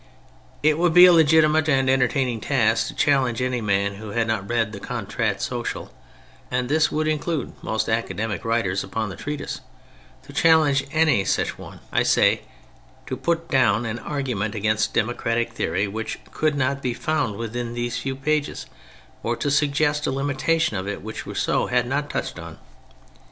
It would be a legitimate and entertaining task to challenge any man who had not read the Contrat Social (and this would include most academic writers upon the treatise) to challenge any such one, I say, to put down an argument against democratic theory which could not be found within those few pages, or to suggest a limitation of it which Rousseau had not touched on.